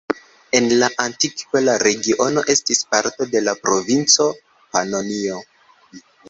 En la antikvo la regiono estis parto de la provinco Panonio.